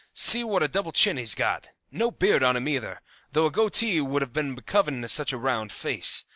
See what a double chin he's got. No beard on him, either, though a goatee would have been becoming to such a round face.